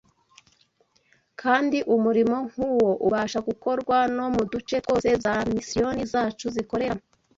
Kandi umurimo nk’uwo ubasha gukorwa no mu duce twose za misiyoni zacu zikorera.